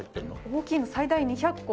大きいの最大２００個